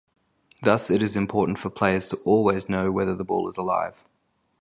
Thus it is important for players to always know whether the ball is alive.